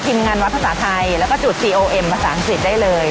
งานวัดภาษาไทยแล้วก็จุดซีโอเอ็มภาษาอังกฤษได้เลย